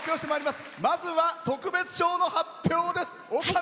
まずは特別賞の発表です。